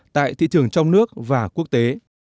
tại thị trường trong nước và quốc tế